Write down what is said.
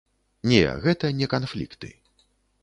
Не, гэта не канфлікты.